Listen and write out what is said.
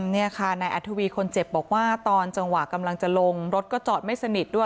นี่ค่ะนายอัธวีคนเจ็บบอกว่าตอนจังหวะกำลังจะลงรถก็จอดไม่สนิทด้วย